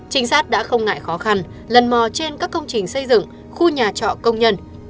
trinh sát đã không ngại khó khăn lần mò trên các công trình xây dựng khu nhà trọ công nhân